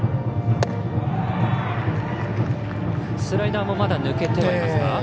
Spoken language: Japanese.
スライダーもまだ抜けてはいますか。